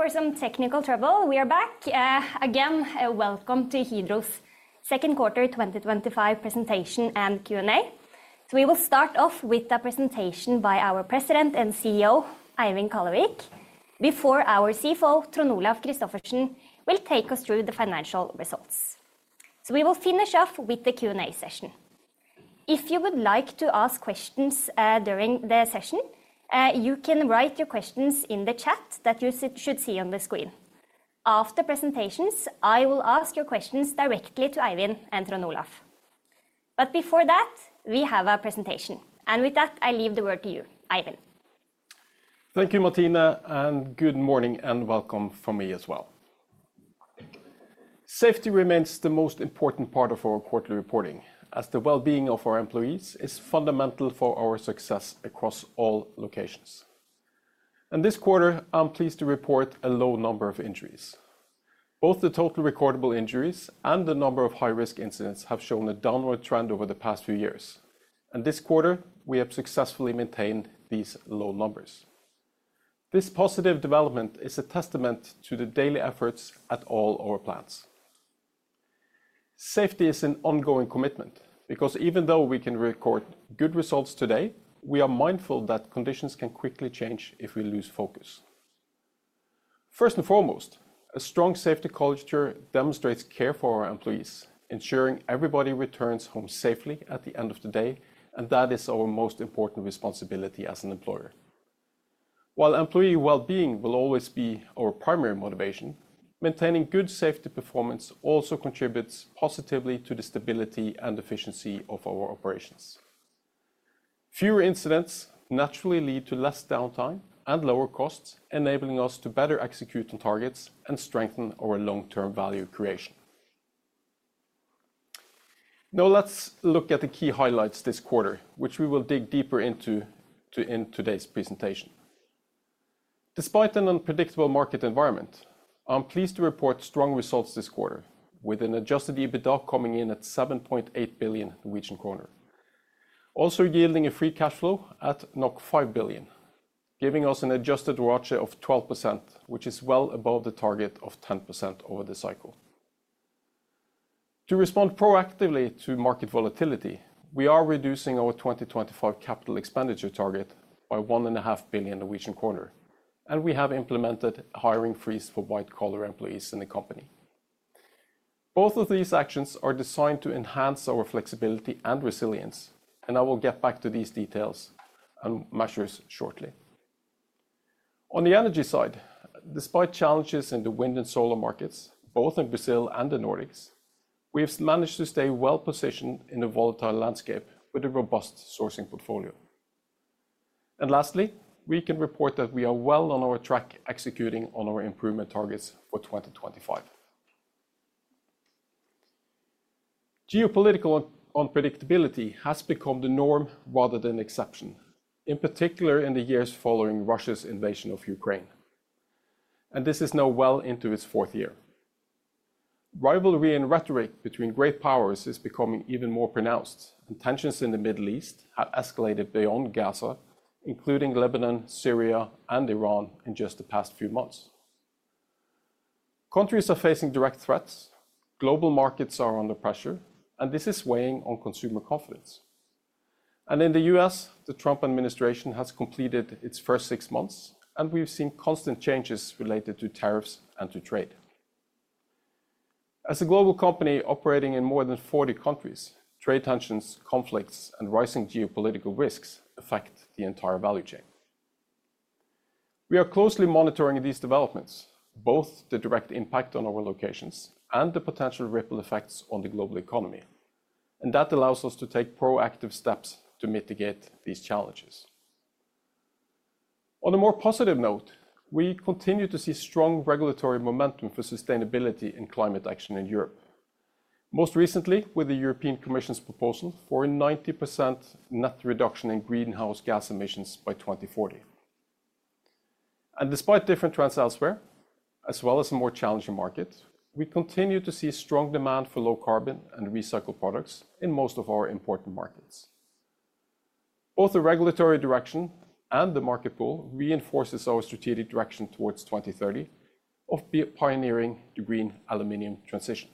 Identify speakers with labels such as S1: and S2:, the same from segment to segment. S1: Sorry for some technical trouble. We are back. Again, welcome to Hydro's second quarter 2025 presentation and Q&A. We will start off with a presentation by our President and CEO, Eivind Kallevik, before our CFO, Trond Olaf Christophersen, will take us through the financial results. We will finish off with the Q&A session. If you would like to ask questions during the session, you can write your questions in the chat that you should see on the screen. After presentations, I will ask your questions directly to Eivind and Trond Olaf. Before that, we have a presentation, and with that, I leave the word to you, Eivind.
S2: Thank you, Martine, and good morning and welcome from me as well. Safety remains the most important part of our quarterly reporting, as the well-being of our employees is fundamental for our success across all locations. In this quarter, I'm pleased to report a low number of injuries. Both the total recordable injuries and the number of high-risk incidents have shown a downward trend over the past few years, and this quarter, we have successfully maintained these low numbers. This positive development is a testament to the daily efforts at all our plants. Safety is an ongoing commitment because even though we can record good results today, we are mindful that conditions can quickly change if we lose focus. First and foremost, a strong safety culture demonstrates care for our employees, ensuring everybody returns home safely at the end of the day, and that is our most important responsibility as an employer. While employee well-being will always be our primary motivation, maintaining good safety performance also contributes positively to the stability and efficiency of our operations. Fewer incidents naturally lead to less downtime and lower costs, enabling us to better execute on targets and strengthen our long-term value creation. Now let's look at the key highlights this quarter, which we will dig deeper into. In today's presentation. Despite an unpredictable market environment, I'm pleased to report strong results this quarter, with an adjusted EBITDA coming in at 7.8 billion Norwegian kroner. Also yielding a free cash flow at 5 billion, giving us an adjusted ratio of 12%, which is well above the target of 10% over the cycle. To respond proactively to market volatility, we are reducing our 2025 capital expenditure target by 1.5 billion, and we have implemented hiring freeze for white-collar employees in the company. Both of these actions are designed to enhance our flexibility and resilience, and I will get back to these details and measures shortly. On the energy side, despite challenges in the wind and solar markets, both in Brazil and the Nordics, we have managed to stay well positioned in a volatile landscape with a robust sourcing portfolio. Lastly, we can report that we are well on our track executing on our improvement targets for 2025. Geopolitical unpredictability has become the norm rather than an exception, in particular in the years following Russia's invasion of Ukraine. This is now well into its fourth year. Rivalry and rhetoric between great powers is becoming even more pronounced, and tensions in the Middle East have escalated beyond Gaza, including Lebanon, Syria, and Iran in just the past few months. Countries are facing direct threats, global markets are under pressure, and this is weighing on consumer confidence. In the U.S., the Trump administration has completed its first six months, and we've seen constant changes related to tariffs and to trade. As a global company operating in more than 40 countries, trade tensions, conflicts, and rising geopolitical risks affect the entire value chain. We are closely monitoring these developments, both the direct impact on our locations and the potential ripple effects on the global economy, and that allows us to take proactive steps to mitigate these challenges. On a more positive note, we continue to see strong regulatory momentum for sustainability and climate action in Europe, most recently with the European Commission's proposal for a 90% net reduction in greenhouse gas emissions by 2040. Despite different trends elsewhere, as well as a more challenging market, we continue to see strong demand for low carbon and recycled products in most of our important markets. Both the regulatory direction and the market pull reinforce our strategic direction towards 2030 of pioneering the green aluminium transition.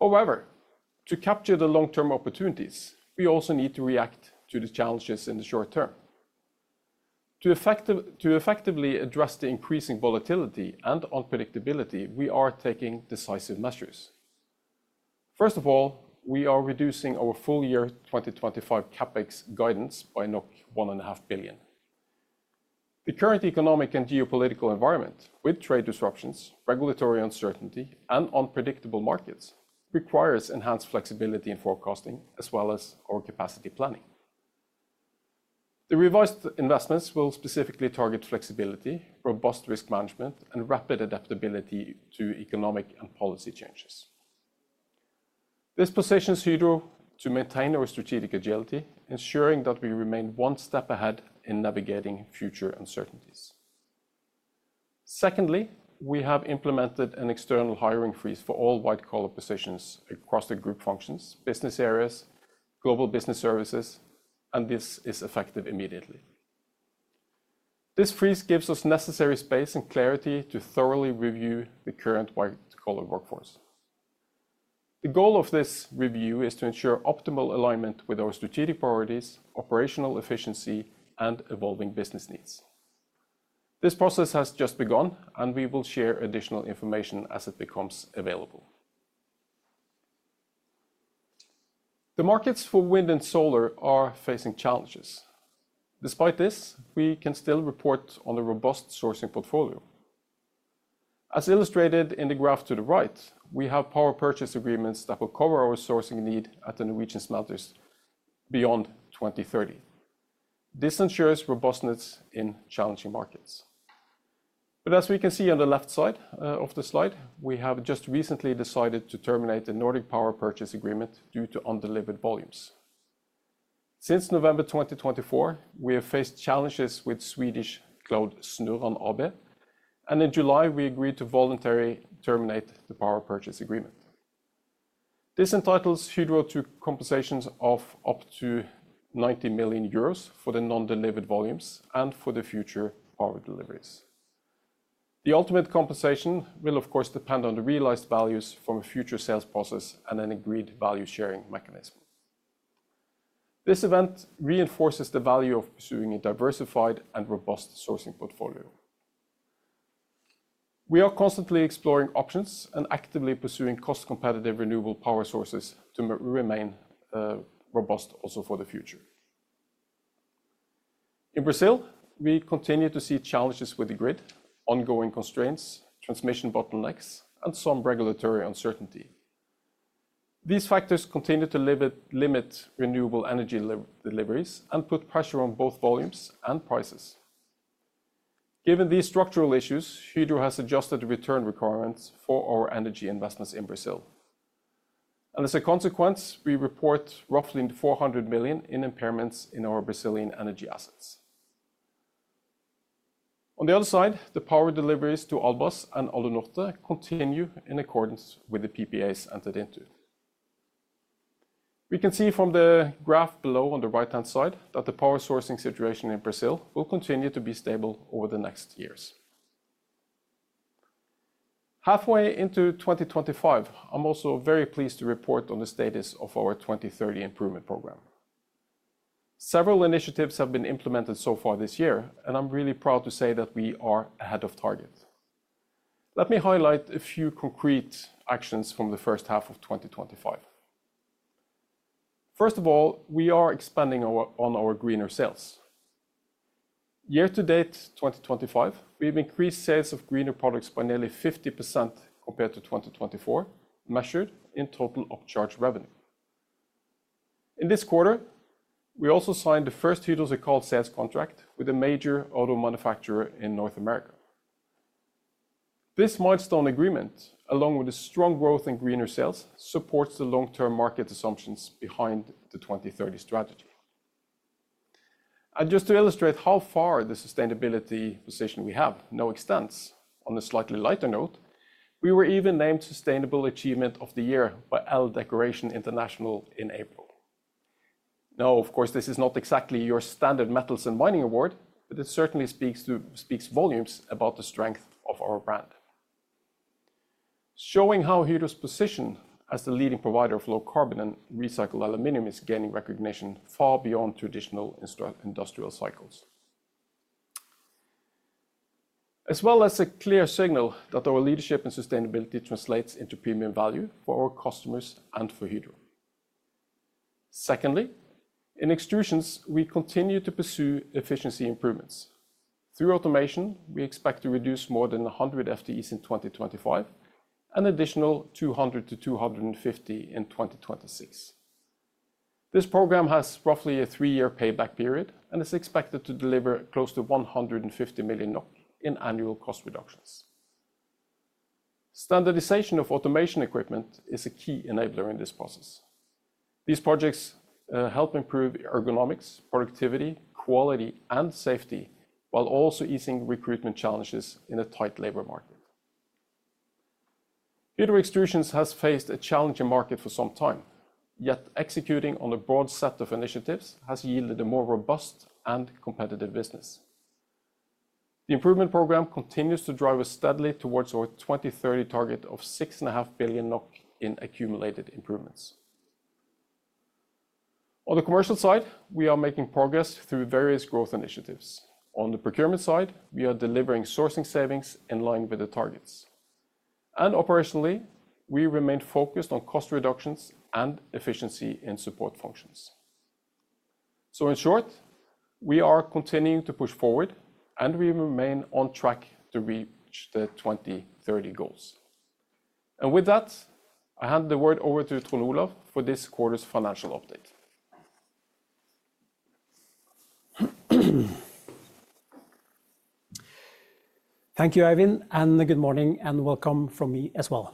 S2: However, to capture the long-term opportunities, we also need to react to the challenges in the short term. To effectively address the increasing volatility and unpredictability, we are taking decisive measures. First of all, we are reducing our full year 2025 CapEx guidance by 1.5 billion. The current economic and geopolitical environment, with trade disruptions, regulatory uncertainty, and unpredictable markets, requires enhanced flexibility in forecasting as well as our capacity planning. The revised investments will specifically target flexibility, robust risk management, and rapid adaptability to economic and policy changes. This positions Hydro to maintain our strategic agility, ensuring that we remain one step ahead in navigating future uncertainties. Secondly, we have implemented an external hiring freeze for all white-collar positions across the group functions, business areas, global business services, and this is effective immediately. This freeze gives us necessary space and clarity to thoroughly review the current white-collar workforce. The goal of this review is to ensure optimal alignment with our strategic priorities, operational efficiency, and evolving business needs. This process has just begun, and we will share additional information as it becomes available. The markets for wind and solar are facing challenges. Despite this, we can still report on a robust sourcing portfolio. As illustrated in the graph to the right, we have power purchase agreements that will cover our sourcing need at the Norwegian smelters beyond 2030. This ensures robustness in challenging markets. As we can see on the left side of the slide, we have just recently decided to terminate the Nordic power purchase agreement due to undelivered volumes. Since November 2024, we have faced challenges with Swedish cloud Snurran AB, and in July, we agreed to voluntarily terminate the power purchase agreement. This entitles Hydro to compensations of up to 90 million euros for the non-delivered volumes and for the future power deliveries. The ultimate compensation will, of course, depend on the realized values from a future sales process and an agreed value sharing mechanism. This event reinforces the value of pursuing a diversified and robust sourcing portfolio. We are constantly exploring options and actively pursuing cost-competitive renewable power sources to remain robust also for the future. In Brazil, we continue to see challenges with the grid, ongoing constraints, transmission bottlenecks, and some regulatory uncertainty. These factors continue to limit renewable energy deliveries and put pressure on both volumes and prices. Given these structural issues, Hydro has adjusted return requirements for our energy investments in Brazil. As a consequence, we report roughly 400 million in impairments in our Brazilian energy assets. On the other side, the power deliveries to Albras and Alunorte continue in accordance with the PPAs entered into. We can see from the graph below on the right-hand side that the power sourcing situation in Brazil will continue to be stable over the next years. Halfway into 2025, I'm also very pleased to report on the status of our 2030 improvement program. Several initiatives have been implemented so far this year, and I'm really proud to say that we are ahead of target. Let me highlight a few concrete actions from the first half of 2025. First of all, we are expanding on our greener sales. Year-to-date 2025, we've increased sales of greener products by nearly 50% compared to 2024, measured in total upcharge revenue. In this quarter, we also signed the first Hydro Accord sales contract with a major auto manufacturer in North America. This milestone agreement, along with the strong growth in greener sales, supports the long-term market assumptions behind the 2030 strategy. Just to illustrate how far the sustainability position we have now extends, on a slightly lighter note, we were even named Sustainable Achievement of the Year by ELLE Decoration International in April. Now, of course, this is not exactly your standard metals and mining award, but it certainly speaks volumes about the strength of our brand. Showing how Hydro's position as the leading provider of low carbon and recycled aluminium is gaining recognition far beyond traditional industrial cycles. As well as a clear signal that our leadership and sustainability translates into premium value for our customers and for Hydro. Secondly, in extrusions, we continue to pursue efficiency improvements. Through automation, we expect to reduce more than 100 FTEs in 2025 and an additional 200-250 in 2026. This program has roughly a three-year payback period and is expected to deliver close to 150 million NOK in annual cost reductions. Standardization of automation equipment is a key enabler in this process. These projects help improve ergonomics, productivity, quality, and safety, while also easing recruitment challenges in a tight labor market. Hydro Extrusions has faced a challenging market for some time, yet executing on a broad set of initiatives has yielded a more robust and competitive business. The improvement program continues to drive us steadily towards our 2030 target of 6.5 billion NOK in accumulated improvements. On the commercial side, we are making progress through various growth initiatives. On the procurement side, we are delivering sourcing savings in line with the targets. Operationally, we remain focused on cost reductions and efficiency in support functions. In short, we are continuing to push forward, and we remain on track to reach the 2030 goals. With that, I hand the word over to Trond Olaf for this quarter's financial update.
S3: Thank you, Eivind, and good morning, and welcome from me as well.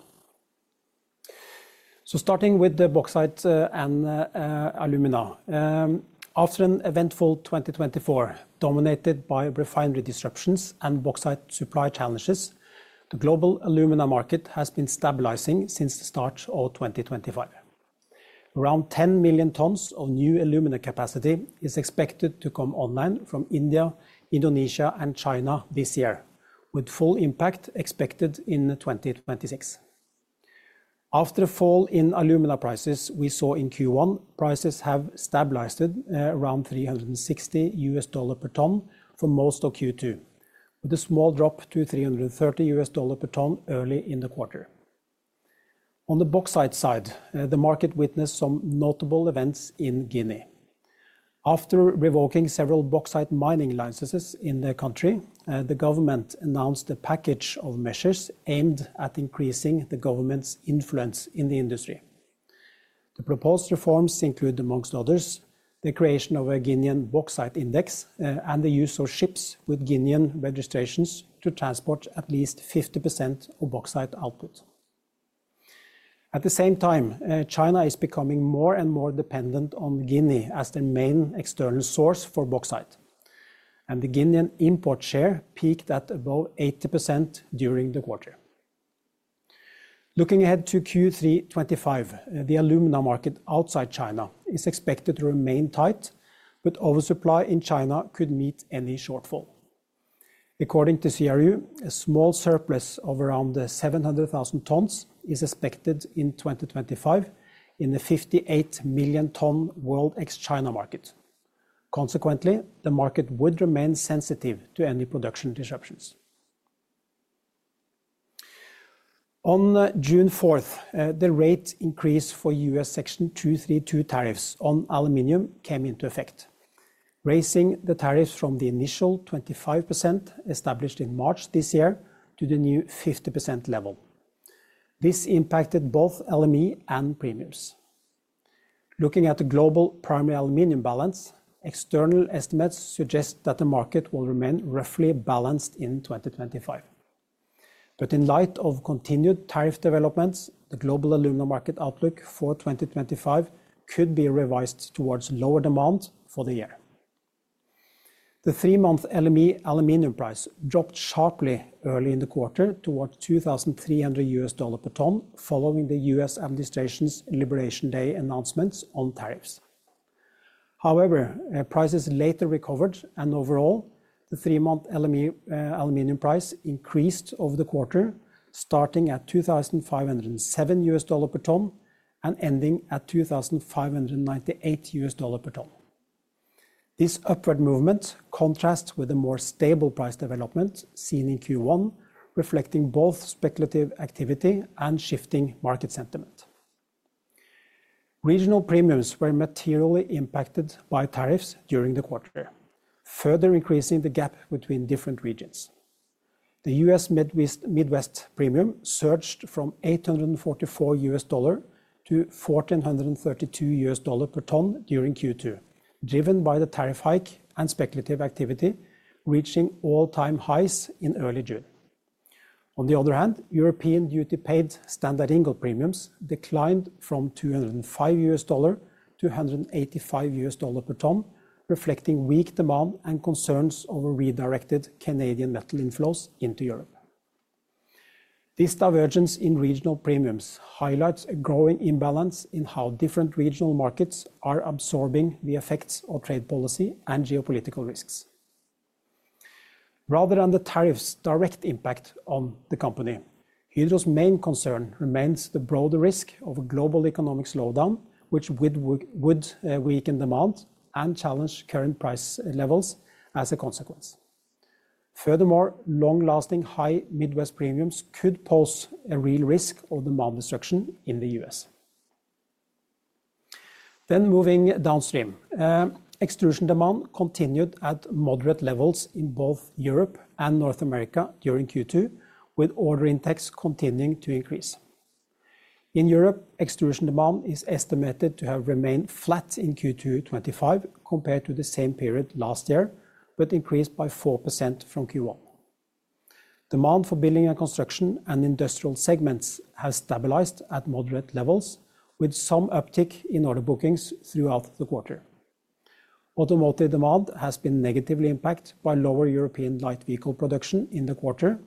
S3: Starting with the bauxite and alumina. After an eventful 2024 dominated by refinery disruptions and bauxite supply challenges, the global alumina market has been stabilizing since the start of 2025. Around 10 million tons of new alumina capacity is expected to come online from India, Indonesia, and China this year, with full impact expected in 2026. After the fall in alumina prices we saw in Q1, prices have stabilized around $360 per ton for most of Q2, with a small drop to $330 per ton early in the quarter. On the bauxite side, the market witnessed some notable events in Guinea. After revoking several bauxite mining licenses in the country, the government announced a package of measures aimed at increasing the government's influence in the industry. The proposed reforms include, amongst others, the creation of a Guinean bauxite index and the use of ships with Guinean registrations to transport at least 50% of bauxite output. At the same time, China is becoming more and more dependent on Guinea as their main external source for bauxite, and the Guinean import share peaked at above 80% during the quarter. Looking ahead to Q3 2025, the alumina market outside China is expected to remain tight, but oversupply in China could meet any shortfall. According to CRU, a small surplus of around 700,000 tons is expected in 2025 in the 58 million ton world ex-China market. Consequently, the market would remain sensitive to any production disruptions. On June 4, the rate increase for U.S. Section 232 tariffs on aluminium came into effect, raising the tariffs from the initial 25% established in March this year to the new 50% level. This impacted both LME and premiums. Looking at the global primary aluminium balance, external estimates suggest that the market will remain roughly balanced in 2025. In light of continued tariff developments, the global alumina market outlook for 2025 could be revised towards lower demand for the year. The three-month LME aluminium price dropped sharply early in the quarter towards $2,300 per ton, following the U.S. administration's Liberation Day announcements on tariffs. However, prices later recovered, and overall, the three-month LME aluminium price increased over the quarter, starting at $2,507 per ton and ending at $2,598 per ton. This upward movement contrasts with the more stable price development seen in Q1, reflecting both speculative activity and shifting market sentiment. Regional premiums were materially impacted by tariffs during the quarter, further increasing the gap between different regions. The U.S. Midwest premium surged from $844 to $1,432 per ton during Q2, driven by the tariff hike and speculative activity, reaching all-time highs in early June. On the other hand, European duty-paid standard ingot premiums declined from $205 to $185 per ton, reflecting weak demand and concerns over redirected Canadian metal inflows into Europe. This divergence in regional premiums highlights a growing imbalance in how different regional markets are absorbing the effects of trade policy and geopolitical risks. Rather than the tariffs' direct impact on the company, Hydro's main concern remains the broader risk of a global economic slowdown, which would weaken demand and challenge current price levels as a consequence. Furthermore, long-lasting high Midwest premiums could pose a real risk of demand destruction in the U.S. Moving downstream, extrusion demand continued at moderate levels in both Europe and North America during Q2, with order index continuing to increase. In Europe, extrusion demand is estimated to have remained flat in Q2 2025 compared to the same period last year, but increased by 4% from Q1. Demand for building and construction and industrial segments has stabilized at moderate levels, with some uptick in order bookings throughout the quarter. Automotive demand has been negatively impacted by lower European light vehicle production in the quarter,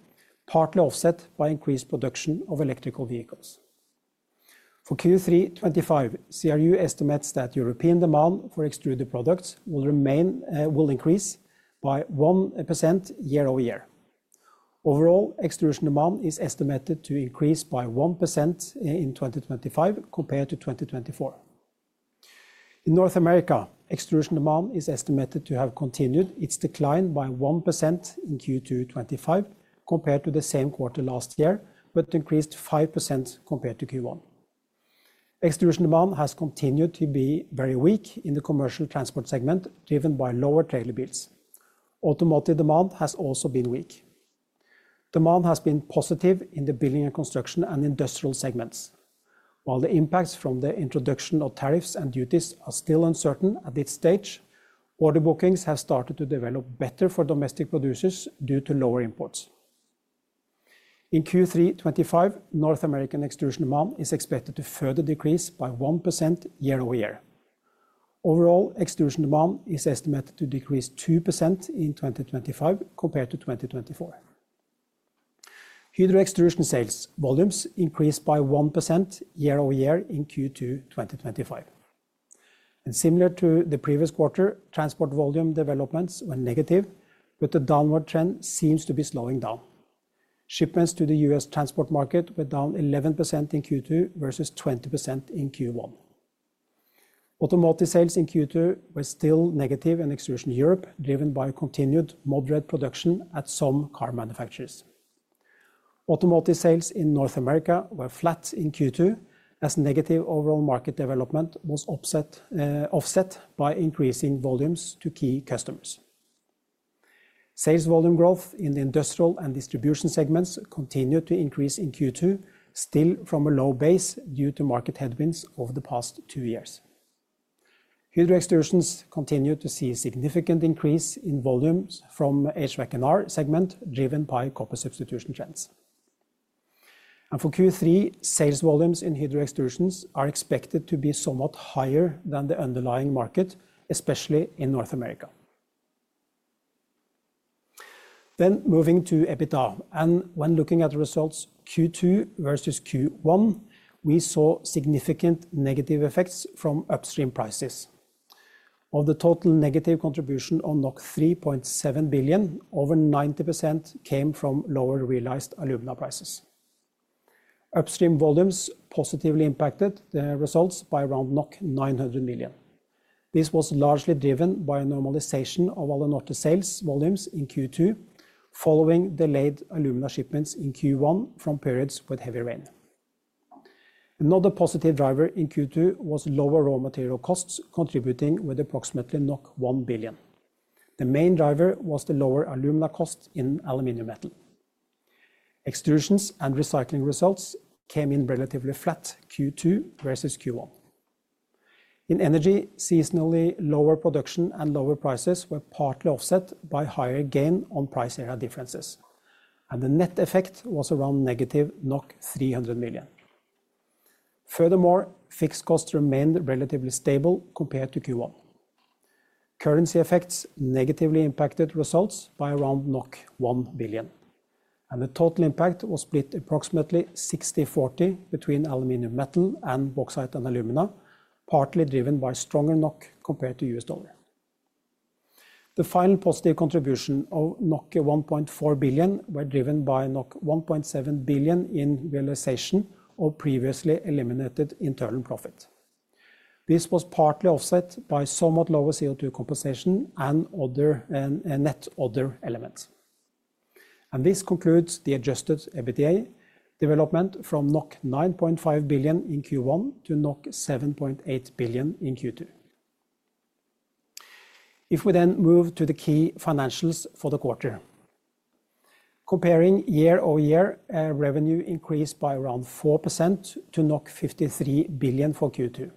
S3: partly offset by increased production of electrical vehicles. For Q3 2025, CRU estimates that European demand for extruded products will increase by 1% Year-over-Year. Overall, extrusion demand is estimated to increase by 1% in 2025 compared to 2024. In North America, extrusion demand is estimated to have continued its decline by 1% in Q2 2025 compared to the same quarter last year, but increased 5% compared to Q1. Extrusion demand has continued to be very weak in the commercial transport segment, driven by lower trailer builds. Automotive demand has also been weak. Demand has been positive in the building and construction and industrial segments. While the impacts from the introduction of tariffs and duties are still uncertain at this stage, order bookings have started to develop better for domestic producers due to lower imports. In Q3 2025, North American extrusion demand is expected to further decrease by 1% Year-over-Year. Overall, extrusion demand is estimated to decrease 2% in 2025 compared to 2024. Hydro extrusion sales volumes increased by 1% Year-over-Year in Q2 2025. Similar to the previous quarter, transport volume developments were negative, but the downward trend seems to be slowing down. Shipments to the U.S. transport market were down 11% in Q2 versus 20% in Q1. Automotive sales in Q2 were still negative in extrusion Europe, driven by continued moderate production at some car manufacturers. Automotive sales in North America were flat in Q2, as negative overall market development was offset by increasing volumes to key customers. Sales volume growth in the industrial and distribution segments continued to increase in Q2, still from a low base due to market headwinds over the past two years. Hydro extrusions continue to see a significant increase in volume from HVAC and R segment, driven by copper substitution trends. For Q3, sales volumes in Hydro Extrusions are expected to be somewhat higher than the underlying market, especially in North America. Moving to EBITDA, and when looking at the results Q2 versus Q1, we saw significant negative effects from upstream prices. Of the total negative contribution of 3.7 billion, over 90% came from lower realized alumina prices. Upstream volumes positively impacted the results by around 900 million. This was largely driven by a normalization of all the NOK sales volumes in Q2, following delayed alumina shipments in Q1 from periods with heavy rain. Another positive driver in Q2 was lower raw material costs, contributing with approximately 1 billion. The main driver was the lower alumina cost in aluminium metal. Extrusions and recycling results came in relatively flat Q2 versus Q1. In energy, seasonally lower production and lower prices were partly offset by higher gain on price area differences, and the net effect was around negative 300 million. Furthermore, fixed costs remained relatively stable compared to Q1. Currency effects negatively impacted results by around 1 billion, and the total impact was split approximately 60-40 between aluminium metal and bauxite and alumina, partly driven by stronger NOK compared to US dollar. The final positive contribution of 1.4 billion was driven by 1.7 billion in realization of previously eliminated internal profit. This was partly offset by somewhat lower CO2 compensation and net other elements. This concludes the adjusted EBITDA development from 9.5 billion in Q1 to 7.8 billion in Q2. If we then move to the key financials for the quarter. Comparing Year-over-Year, revenue increased by around 4% to 53 billion for Q2.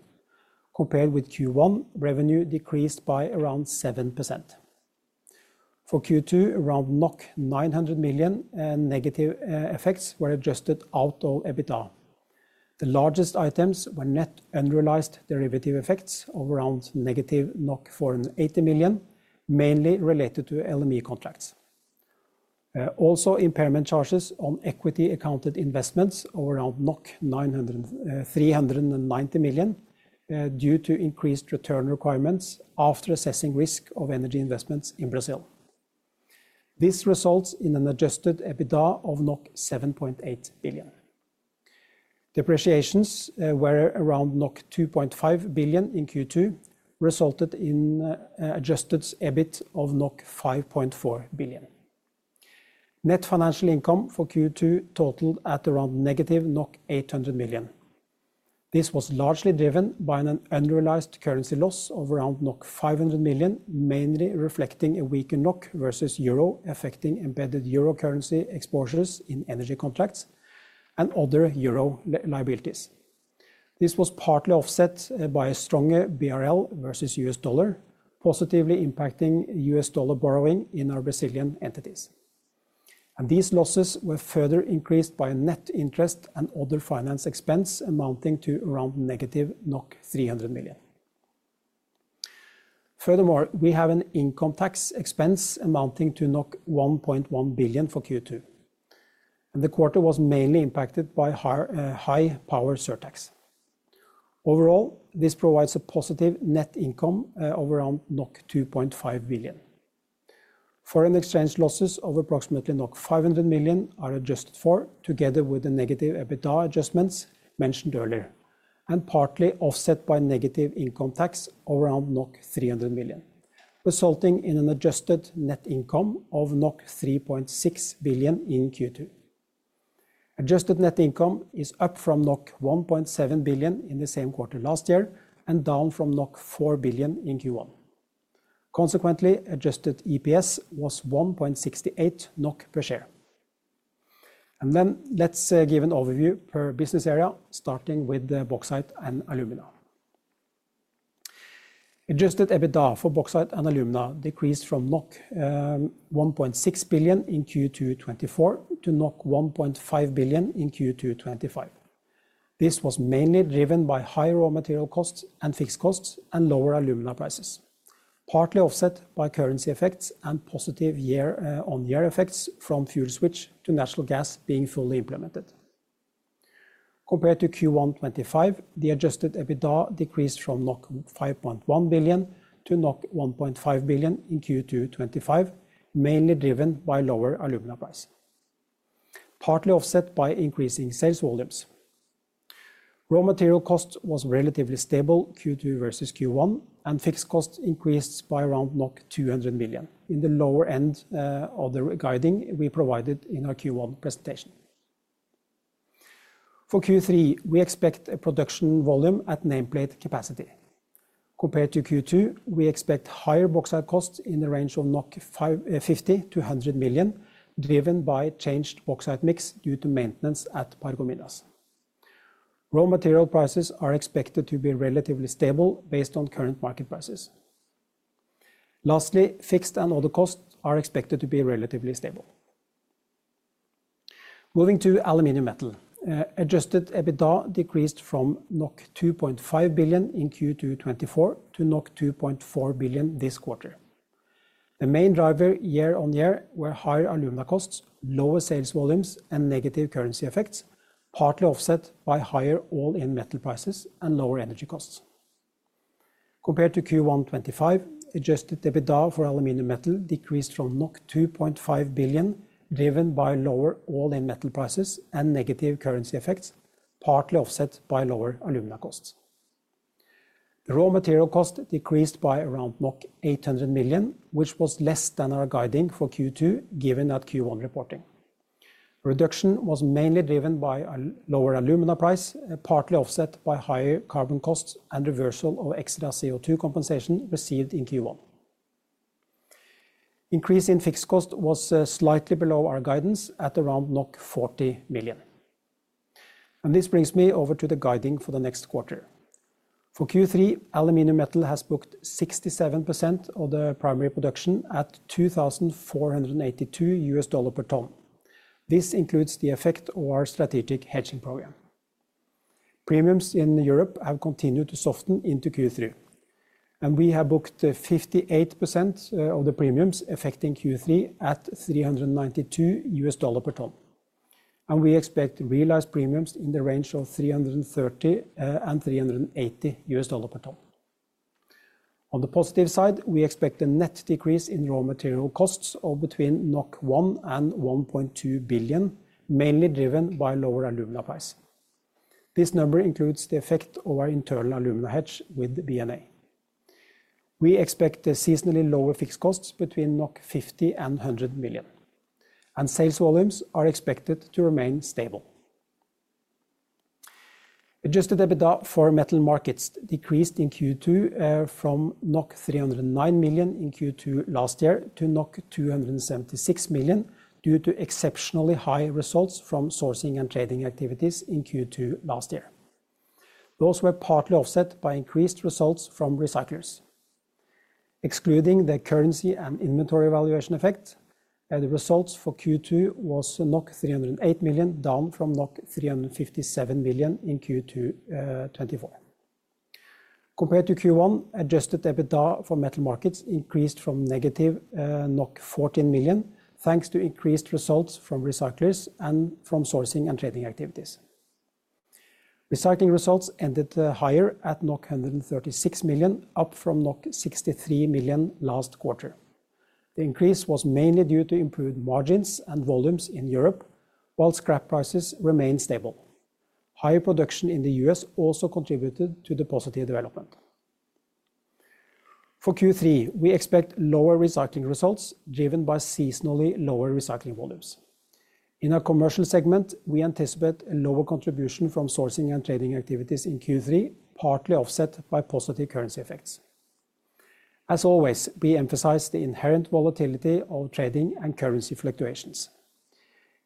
S3: Compared with Q1, revenue decreased by around 7%. For Q2, around 900 million negative effects were adjusted out of EBITDA. The largest items were net unrealized derivative effects of around negative 480 million, mainly related to LME contracts. Also, impairment charges on equity-accounted investments of around 390 million, due to increased return requirements after assessing risk of energy investments in Brazil. This results in an adjusted EBITDA of 7.8 billion. Depreciations were around 2.5 billion in Q2, resulting in adjusted EBIT of 5.4 billion. Net financial income for Q2 totaled at around negative 800 million. This was largely driven by an unrealized currency loss of around 500 million, mainly reflecting a weaker NOK versus euro affecting embedded euro currency exposures in energy contracts and other euro liabilities. This was partly offset by a stronger BRL versus U.S. dollar, positively impacting U.S. dollar borrowing in our Brazilian entities. These losses were further increased by net interest and other finance expense amounting to around negative 300 million. Furthermore, we have an income tax expense amounting to 1.1 billion for Q2. The quarter was mainly impacted by high power surtax. Overall, this provides a positive net income of around 2.5 billion. Foreign exchange losses of approximately 500 million are adjusted for, together with the negative EBITDA adjustments mentioned earlier, and partly offset by negative income tax of around 300 million, resulting in an adjusted net income of 3.6 billion in Q2. Adjusted net income is up from 1.7 billion in the same quarter last year and down from 4 billion in Q1. Consequently, adjusted EPS was 1.68 NOK per share. Let's give an overview per business area, starting with bauxite and alumina. Adjusted EBITDA for bauxite and alumina decreased from 1.6 billion in Q2 2024 to 1.5 billion in Q2 2025. This was mainly driven by higher raw material costs and fixed costs and lower alumina prices, partly offset by currency effects and positive Year-on-Year effects from fuel switch to natural gas being fully implemented. Compared to Q1 2025, the adjusted EBITDA decreased from 5.1 billion to 1.5 billion in Q2 2025, mainly driven by lower alumina price, partly offset by increasing sales volumes. Raw material cost was relatively stable Q2 versus Q1, and fixed costs increased by around 200 million, in the lower end of the guiding we provided in our Q1 presentation. For Q3, we expect a production volume at name plate capacity. Compared to Q2, we expect higher bauxite costs in the range of 50-100 million, driven by changed bauxite mix due to maintenance at Pål Gomilas. Raw material prices are expected to be relatively stable based on current market prices. Lastly, fixed and other costs are expected to be relatively stable. Moving to aluminium metal, adjusted EBITDA decreased from 2.5 billion in Q2 2024 to 2.4 billion this quarter. The main driver Year-on-Year were higher alumina costs, lower sales volumes, and negative currency effects, partly offset by higher all-in metal prices and lower energy costs. Compared to Q1 2025, adjusted EBITDA for aluminium metal decreased from 2.5 billion, driven by lower all-in metal prices and negative currency effects, partly offset by lower alumina costs. The raw material cost decreased by around 800 million, which was less than our guiding for Q2 given that Q1 reporting. Reduction was mainly driven by a lower alumina price, partly offset by higher carbon costs and reversal of extra CO2 compensation received in Q1. Increase in fixed cost was slightly below our guidance at around 40 million. This brings me over to the guiding for the next quarter. For Q3, aluminium metal has booked 67% of the primary production at $2,482 per ton. This includes the effect of our strategic hedging program. Premiums in Europe have continued to soften into Q3, and we have booked 58% of the premiums affecting Q3 at $392 per ton. We expect realized premiums in the range of $330-$380 per ton. On the positive side, we expect a net decrease in raw material costs of between 1 billion and 1.2 billion, mainly driven by lower alumina price. This number includes the effect of our internal alumina hedge with BNA. We expect seasonally lower fixed costs between 50 million and 100 million, and sales volumes are expected to remain stable. Adjusted EBITDA for metal markets decreased in Q2 from 309 million in Q2 last year to 276 million due to exceptionally high results from sourcing and trading activities in Q2 last year. Those were partly offset by increased results from recyclers. Excluding the currency and inventory valuation effect, the results for Q2 were 308 million, down from 357 million in Q2 2024. Compared to Q1, adjusted EBITDA for metal markets increased from negative 14 million, thanks to increased results from recyclers and from sourcing and trading activities. Recycling results ended higher at 136 million, up from 63 million last quarter. The increase was mainly due to improved margins and volumes in Europe, while scrap prices remained stable. Higher production in the U.S. also contributed to the positive development. For Q3, we expect lower recycling results driven by seasonally lower recycling volumes. In our commercial segment, we anticipate a lower contribution from sourcing and trading activities in Q3, partly offset by positive currency effects. As always, we emphasize the inherent volatility of trading and currency fluctuations.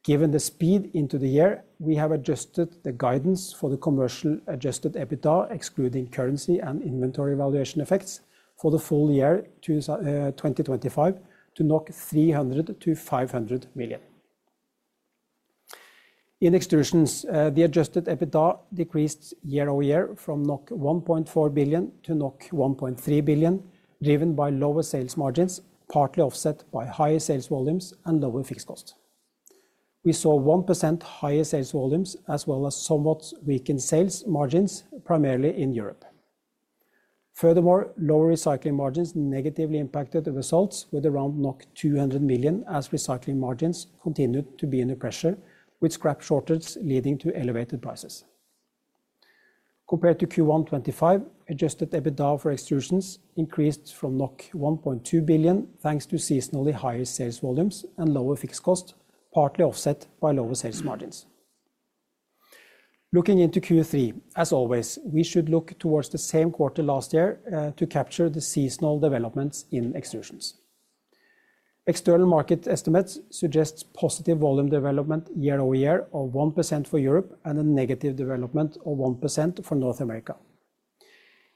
S3: Given the speed into the year, we have adjusted the guidance for the commercial adjusted EBITDA, excluding currency and inventory valuation effects, for the full year 2025 to NOK 300 million-NOK 500 million. In extrusions, the adjusted EBITDA decreased year-over-year from 1.4 billion to 1.3 billion, driven by lower sales margins, partly offset by higher sales volumes and lower fixed costs. We saw 1% higher sales volumes, as well as somewhat weakened sales margins, primarily in Europe. Furthermore, lower recycling margins negatively impacted the results with around 200 million as recycling margins continued to be under pressure, with scrap shortages leading to elevated prices. Compared to Q1 2025, adjusted EBITDA for extrusions increased from 1.2 billion, thanks to seasonally higher sales volumes and lower fixed costs, partly offset by lower sales margins. Looking into Q3, as always, we should look towards the same quarter last year to capture the seasonal developments in extrusions. External market estimates suggest positive volume development year-over-year of 1% for Europe and a negative development of 1% for North America.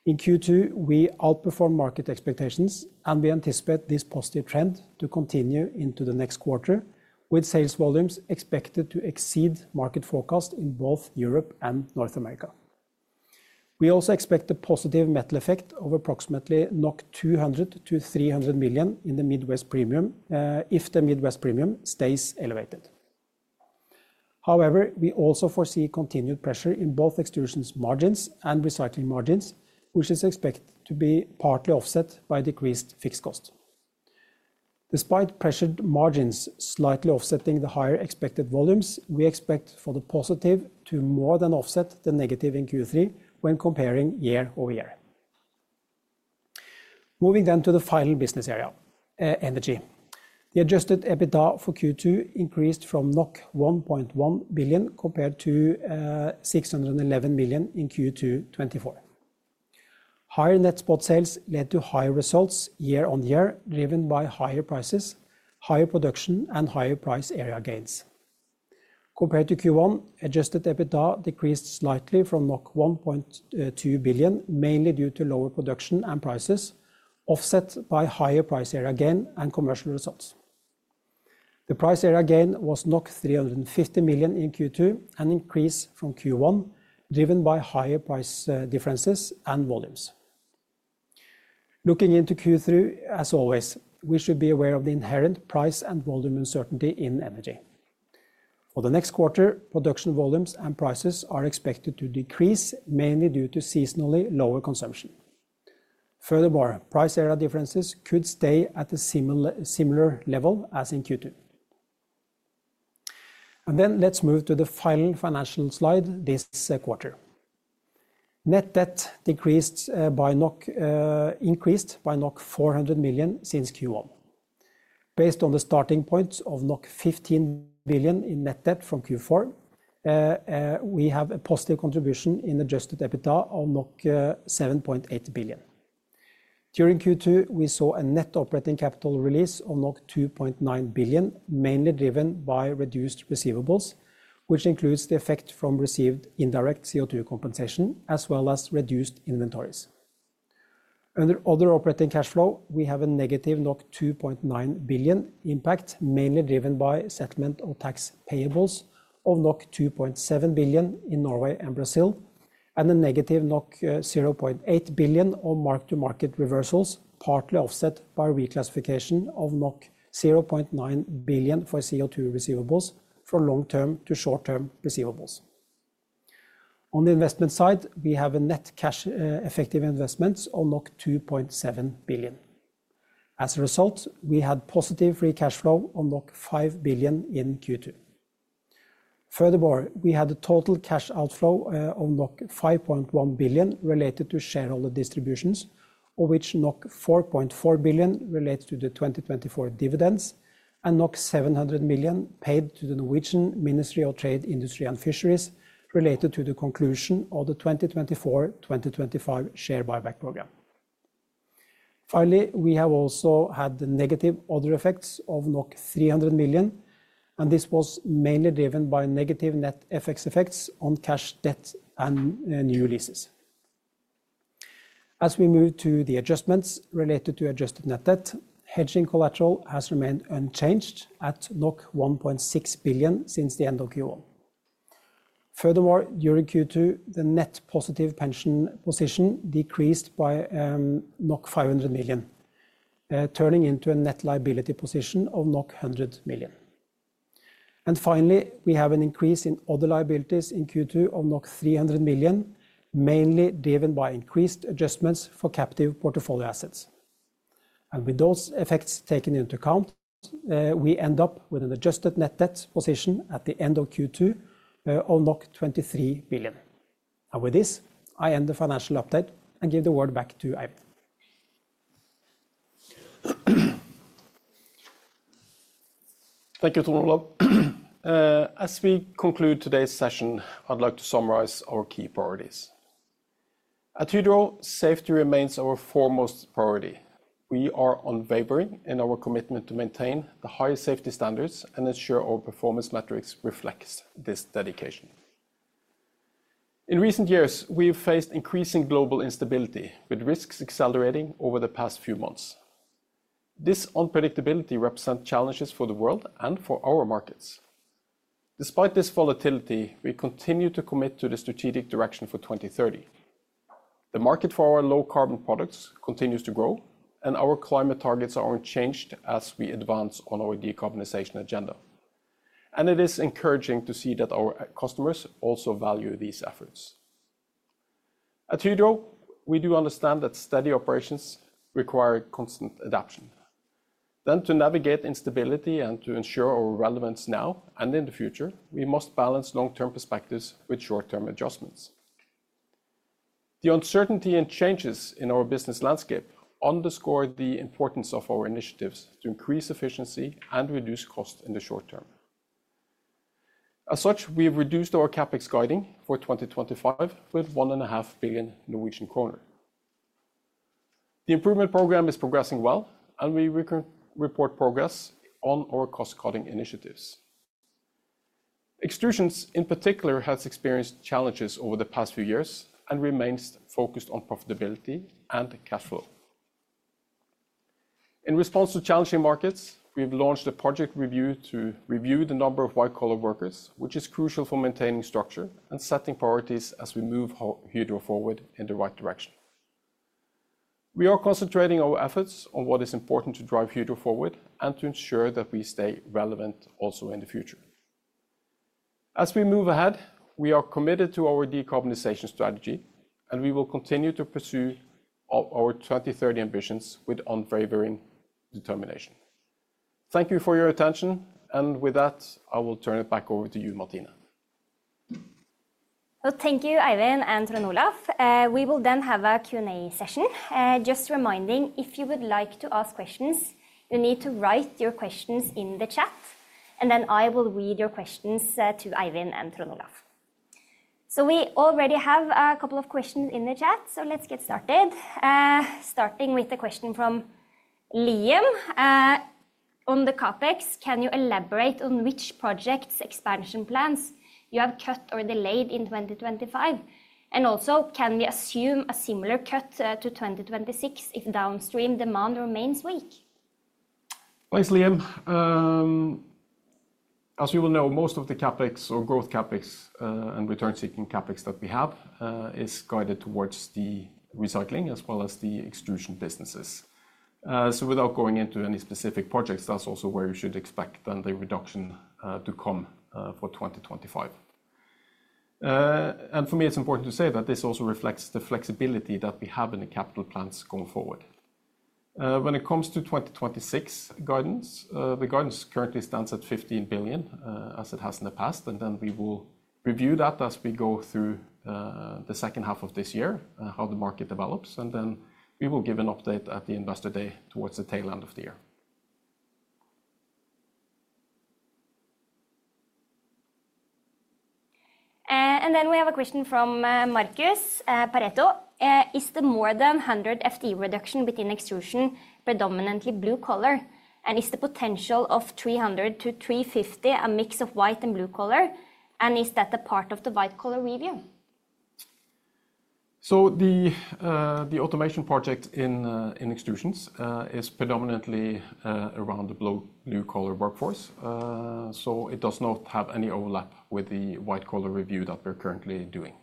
S3: In Q2, we outperformed market expectations, and we anticipate this positive trend to continue into the next quarter, with sales volumes expected to exceed market forecast in both Europe and North America. We also expect a positive metal effect of approximately 200 million-300 million in the Midwest premium if the Midwest premium stays elevated. However, we also foresee continued pressure in both extrusions margins and recycling margins, which is expected to be partly offset by decreased fixed costs. Despite pressured margins slightly offsetting the higher expected volumes, we expect for the positive to more than offset the negative in Q3 when comparing year-over-year. Moving then to the final business area, energy. The adjusted EBITDA for Q2 increased from 1.1 billion compared to 611 million in Q2 2024. Higher net spot sales led to higher results Year-on-Year, driven by higher prices, higher production, and higher price area gains. Compared to Q1, adjusted EBITDA decreased slightly from 1.2 billion, mainly due to lower production and prices, offset by higher price area gain and commercial results. The price area gain was 350 million in Q2, an increase from Q1, driven by higher price differences and volumes. Looking into Q3, as always, we should be aware of the inherent price and volume uncertainty in energy. For the next quarter, production volumes and prices are expected to decrease, mainly due to seasonally lower consumption. Furthermore, price area differences could stay at a similar level as in Q2. Next, let's move to the final financial slide this quarter. Net debt decreased by 400 million since Q1. Based on the starting point of 15 billion in net debt from Q4, we have a positive contribution in adjusted EBITDA of NOK 7.8 billion. During Q2, we saw a net operating capital release of NOK 2.9 billion, mainly driven by reduced receivables, which includes the effect from received indirect CO2 compensation, as well as reduced inventories. Under other operating cash flow, we have a negative 2.9 billion impact, mainly driven by settlement of tax payables of 2.7 billion in Norway and Brazil, and a negative 0.8 billion of mark-to-market reversals, partly offset by reclassification of 0.9 billion for CO2 receivables from long-term to short-term receivables. On the investment side, we have a net cash effective investment of 2.7 billion. As a result, we had positive free cash flow of 5 billion in Q2. Furthermore, we had a total cash outflow of 5.1 billion related to shareholder distributions, of which 4.4 billion relates to the 2024 dividends, and 700 million paid to the Norwegian Ministry of Trade, Industry and Fisheries, related to the conclusion of the 2024-2025 share buyback program. Finally, we have also had the negative other effects of 300 million, and this was mainly driven by negative net FX effects on cash debt and new leases. As we move to the adjustments related to adjusted net debt, hedging collateral has remained unchanged at 1.6 billion since the end of Q1. Furthermore, during Q2, the net positive pension position decreased by 500 million, turning into a net liability position of 100 million. Finally, we have an increase in other liabilities in Q2 of 300 million, mainly driven by increased adjustments for captive portfolio assets. With those effects taken into account, we end up with an adjusted net debt position at the end of Q2 of NOK 23 billion. With this, I end the financial update and give the word back to Eivind.
S2: Thank you, Torvald. As we conclude today's session, I'd like to summarize our key priorities. At Hydro, safety remains our foremost priority. We are unwavering in our commitment to maintain the highest safety standards and ensure our performance metrics reflect this dedication. In recent years, we have faced increasing global instability, with risks accelerating over the past few months. This unpredictability represents challenges for the world and for our markets. Despite this volatility, we continue to commit to the strategic direction for 2030. The market for our low-carbon products continues to grow, and our climate targets are unchanged as we advance on our decarbonization agenda. It is encouraging to see that our customers also value these efforts. At Hydro, we do understand that steady operations require constant adaptation. To navigate instability and to ensure our relevance now and in the future, we must balance long-term perspectives with short-term adjustments. The uncertainty and changes in our business landscape underscore the importance of our initiatives to increase efficiency and reduce costs in the short term. As such, we have reduced our CapEx guiding for 2025 with 1.5 billion Norwegian kroner. The improvement program is progressing well, and we report progress on our cost-cutting initiatives. Extrusions, in particular, has experienced challenges over the past few years and remains focused on profitability and cash flow. In response to challenging markets, we have launched a project review to review the number of white-collar workers, which is crucial for maintaining structure and setting priorities as we move Hydro forward in the right direction. We are concentrating our efforts on what is important to drive Hydro forward and to ensure that we stay relevant also in the future. As we move ahead, we are committed to our decarbonization strategy, and we will continue to pursue our 2030 ambitions with unwavering determination. Thank you for your attention, and with that, I will turn it back over to you, Martina.
S1: Thank you, Eivind and Trond Olaf. We will then have a Q&A session. Just reminding, if you would like to ask questions, you need to write your questions in the chat, and then I will read your questions to Eivind and Trond Olaf. We already have a couple of questions in the chat, so let's get started. Starting with the question from Liam on the CapEx, can you elaborate on which project's expansion plans you have cut or delayed in 2025? And also, can we assume a similar cut to 2026 if downstream demand remains weak? Thanks, Liam.
S2: As you will know, most of the CapEx, or growth CapEx and return-seeking CapEx that we have, is guided towards the recycling as well as the extrusion businesses. So without going into any specific projects, that's also where you should expect then the reduction to come for 2025. For me, it's important to say that this also reflects the flexibility that we have in the capital plans going forward. When it comes to 2026 guidance, the guidance currently stands at 15 billion, as it has in the past, and we will review that as we go through the second half of this year, how the market develops, and then we will give an update at the investor day towards the tail end of the year.
S1: We have a question from Marcus Pareto. Is the more than 100 FTE reduction within extrusion predominantly blue-collar? And is the potential of 300-350 a mix of white and blue-collar? And is that a part of the white-collar review?
S2: The automation project in extrusions is predominantly around the blue-collar workforce, so it does not have any overlap with the white-collar review that we're currently doing.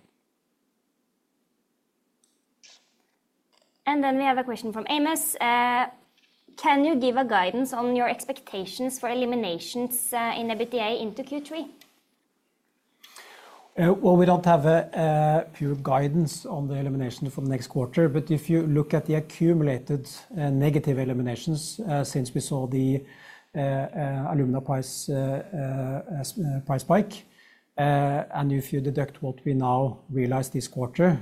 S1: We have a question from Amos. Can you give a guidance on your expectations for eliminations in EBITDA into Q3? We do not have a pure guidance on the elimination for the next quarter, but if you look at the accumulated negative eliminations since we saw the alumina price spike, and if you deduct what we now realize this quarter,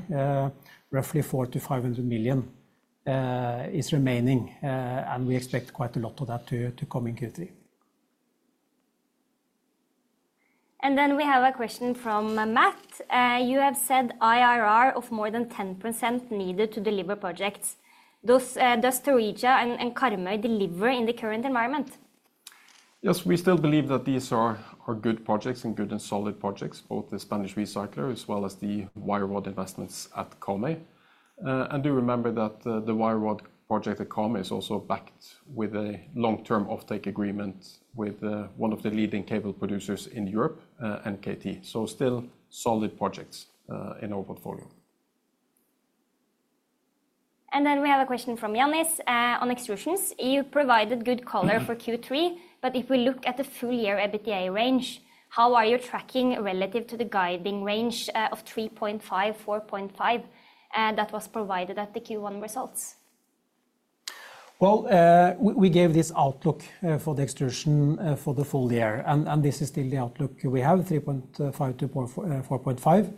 S1: roughly 400 million-500 million is remaining, and we expect quite a lot of that to come in Q3. We have a question from Matt. You have said IRR of more than 10% needed to deliver projects. Does Thoreta and Carme deliver in the current environment? Yes, we still believe that these are good projects and good and solid projects, both the Spanish recycler as well as the wire rod investments at Carme. Do remember that the wire rod project at Carme is also backed with a long-term offtake agreement with one of the leading cable producers in Europe, NKT. Still solid projects in our portfolio. We have a question from Yannis on extrusions. You provided good color for Q3, but if we look at the full year EBITDA range, how are you tracking relative to the guiding range of 3.5 billion-4.5 billion that was provided at the Q1 results? We gave this outlook for the extrusion for the full year, and this is still the outlook we have, 3.5 billion to 4.5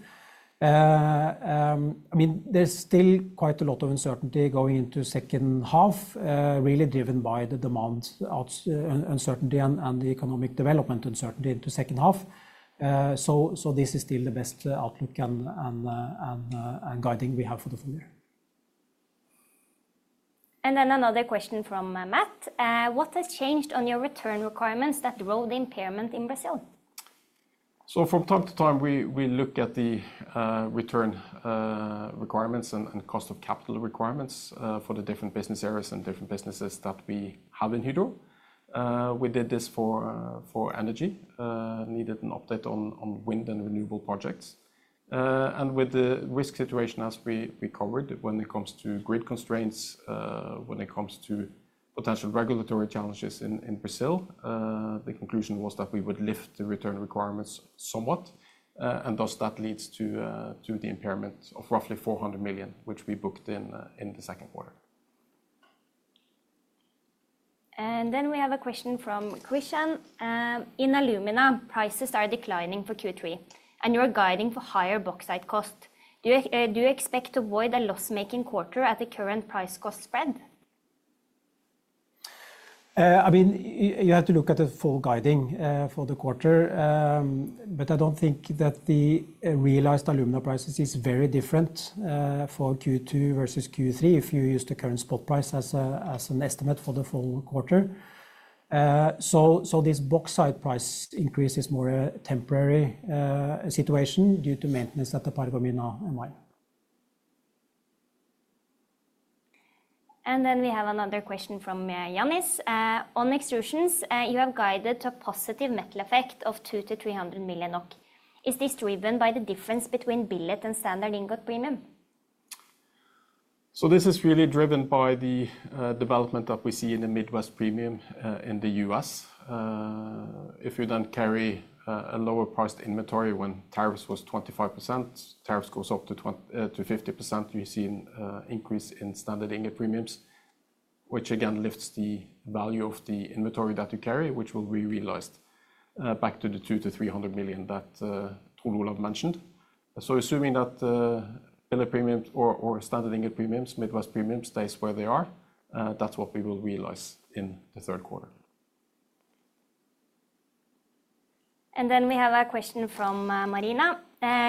S1: billion. I mean, there's still quite a lot of uncertainty going into the second half, really driven by the demand uncertainty and the economic development uncertainty into the second half. This is still the best outlook and guiding we have for the full year. Another question from Matt. What has changed on your return requirements that drove the impairment in Brazil? From time to time, we look at the return requirements and cost of capital requirements for the different business areas and different businesses that we have in Hydro. We did this for energy. Needed an update on wind and renewable projects. With the risk situation as we covered, when it comes to grid constraints, when it comes to potential regulatory challenges in Brazil, the conclusion was that we would lift the return requirements somewhat, and thus that leads to the impairment of roughly 400 million, which we booked in the second quarter. We have a question from Christian. In alumina, prices are declining for Q3, and you are guiding for higher bauxite cost. Do you expect to avoid a loss-making quarter at the current price-cost spread? I mean, you have to look at the full guiding for the quarter. I do not think that the realized alumina prices are very different for Q2 versus Q3, if you use the current spot price as an estimate for the full quarter. This bauxite price increase is more a temporary situation due to maintenance at the Paragominas mine. We have another question from Yannis. On extrusions, you have guided to a positive metal effect of 200-300 million. Is this driven by the difference between billet and standard ingot premium? This is really driven by the development that we see in the Midwest premium in the U.S. If you then carry a lower-priced inventory when tariffs were 25%, tariffs go up to 50%, you see an increase in standard ingot premiums, which again lifts the value of the inventory that you carry, which will be realized back to the 200-300 million that Trond Olaf mentioned. Assuming that billet premiums or standard ingot premiums, Midwest premiums, stay where they are, that is what we will realize in the third quarter. We have a question from Marina.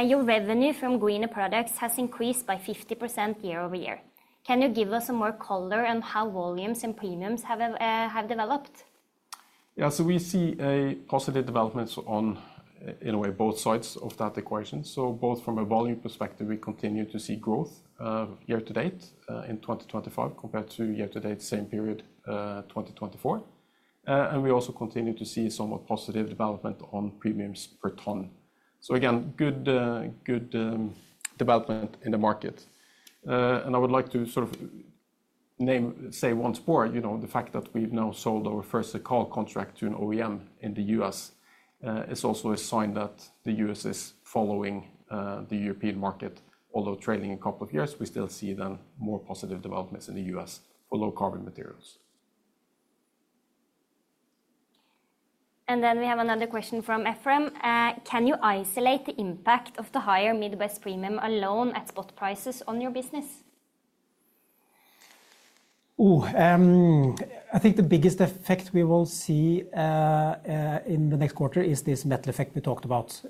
S1: Your revenue from greener products has increased by 50% Year-over-Year. Can you give us some more color on how volumes and premiums have developed? Yeah, we see positive developments on, in a way, both sides of that equation. Both from a volume perspective, we continue to see growth year to date in 2025 compared to year to date same period 2024. We also continue to see somewhat positive development on premiums per tonne. Again, good development in the market. I would like to sort of say once more, you know, the fact that we have now sold our first call contract to an OEM in the US is also a sign that the U.S. is following the European market. Although trailing a couple of years, we still see then more positive developments in the U.S. for low-carbon materials. We have another question from Ephraim. Can you isolate the impact of the higher Midwest premium alone at spot prices on your business? Ooh, I think the biggest effect we will see in the next quarter is this metal effect we talked about.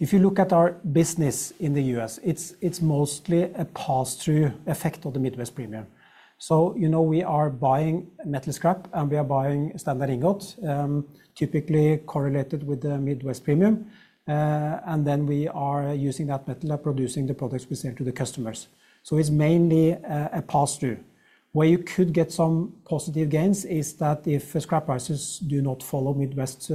S1: If you look at our business in the US, it's mostly a pass-through effect of the Midwest premium. You know, we are buying metal scrap and we are buying standard ingot, typically correlated with the Midwest premium. We are using that metal and producing the products we sell to the customers. It's mainly a pass-through. Where you could get some positive gains is that if scrap prices do not follow Midwest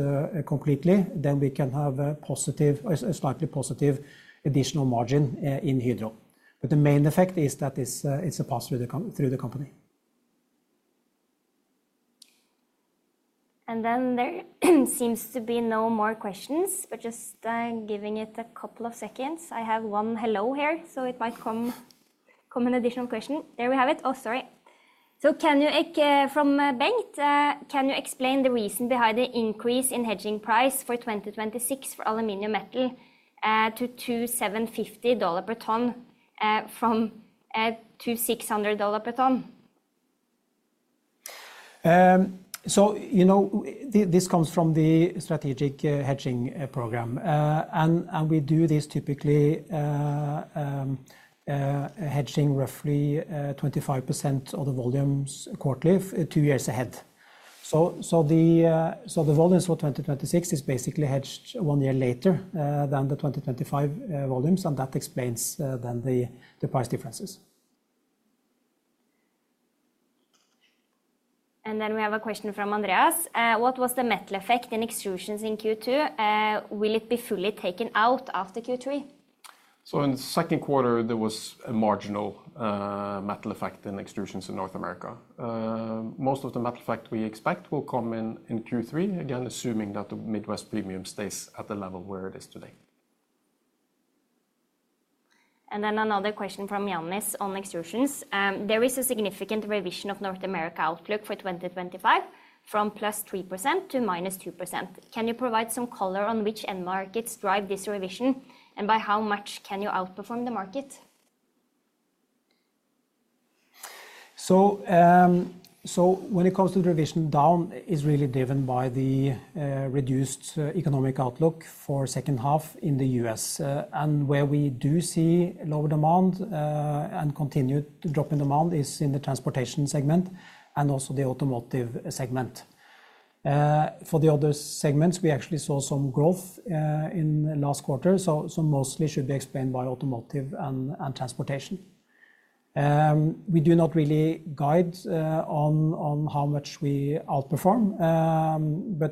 S1: completely, then we can have a positive, a slightly positive additional margin in Hydro. The main effect is that it's a pass-through through the company. There seems to be no more questions, but just giving it a couple of seconds. I have one hello here, so it might come. An additional question. There we have it. Oh, sorry. Can you, from Bengt, can you explain the reason behind the increase in hedging price for 2026 for aluminium metal to $2,750 per tonne from $2,600 per tonne? You know, this comes from the strategic hedging program. We do this typically, hedging roughly 25% of the volumes quarterly two years ahead. The volumes for 2026 are basically hedged one year later than the 2025 volumes, and that explains then the price differences. We have a question from Andreas. What was the metal effect in extrusions in Q2? Will it be fully taken out after Q3? In the second quarter, there was a marginal metal effect in extrusions in North America. Most of the metal effect we expect will come in Q3, again assuming that the Midwest premium stays at the level where it is today. Another question from Yannis on extrusions. There is a significant revision of North America outlook for 2025 from +3% to -2%. Can you provide some color on which end markets drive this revision and by how much can you outperform the market? When it comes to the revision down, it is really driven by the reduced economic outlook for the second half in the US. Where we do see lower demand and continued drop in demand is in the transportation segment and also the automotive segment. For the other segments, we actually saw some growth in the last quarter, so mostly should be explained by automotive and transportation. We do not really guide on how much we outperform.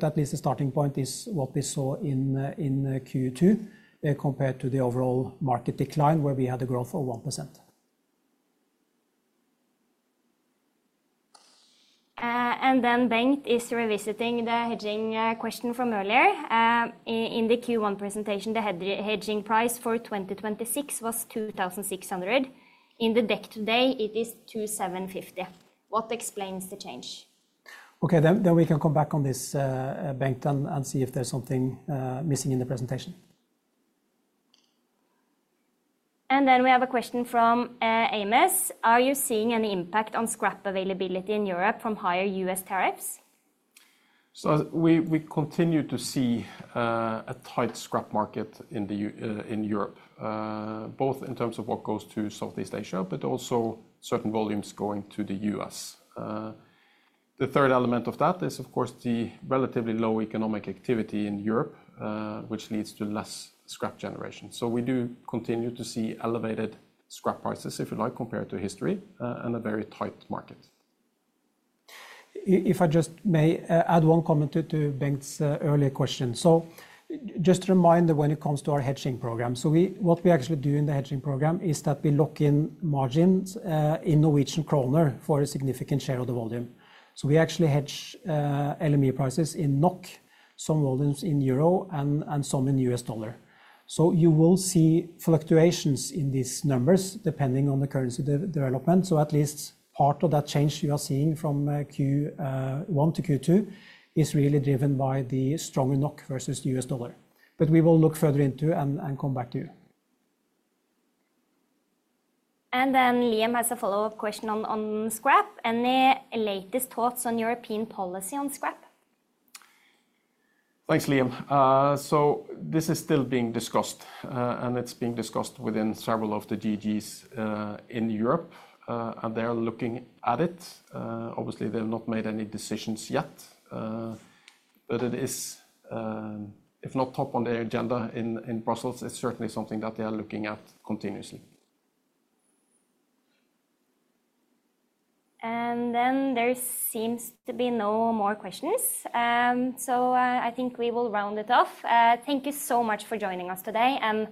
S1: At least the starting point is what we saw in Q2 compared to the overall market decline where we had a growth of 1%. Bengt is revisiting the hedging question from earlier. In the Q1 presentation, the hedging price for 2026 was $2,600. In the deck today, it is $2,750. What explains the change? We can come back on this, Bengt, and see if there's something missing in the presentation. We have a question from Amos. Are you seeing any impact on scrap availability in Europe from higher U.S. tariffs? We continue to see a tight scrap market in Europe, both in terms of what goes to Southeast Asia, but also certain volumes going to the U.S. The third element of that is, of course, the relatively low economic activity in Europe, which leads to less scrap generation. We do continue to see elevated scrap prices, if you like, compared to history and a very tight market. If I just may add one comment to Bengt's earlier question. Just to remind, when it comes to our hedging program, what we actually do in the hedging program is that we lock in margins in Norwegian kroner for a significant share of the volume. We actually hedge LME prices in NOK, some volumes in euro, and some in U.S. dollar. You will see fluctuations in these numbers depending on the currency development. At least part of that change you are seeing from Q1 to Q2 is really driven by the stronger NOK versus the U.S. dollar. We will look further into and come back to you. Liam has a follow-up question on scrap. Any latest thoughts on European policy on scrap?
S2: Thanks, Liam. This is still being discussed, and it is being discussed within several of the GGs in Europe, and they are looking at it. Obviously, they have not made any decisions yet. If not top on their agenda in Brussels, it is certainly something that they are looking at continuously. There seems to be no more questions. I think we will round it off. Thank you so much for joining us today, and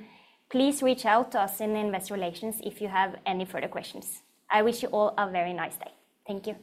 S2: please reach out to us in Investor Relations if you have any further questions. I wish you all a very nice day. Thank you.